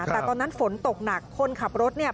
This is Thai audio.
แต่ตอนนั้นฝนตกหนักคนขับรถเนี่ย